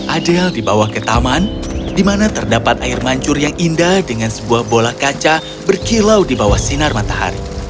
adel dibawa ke taman di mana terdapat air mancur yang indah dengan sebuah bola kaca berkilau di bawah sinar matahari